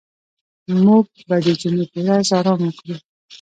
موږ به د جمعې په ورځ آرام وکړو.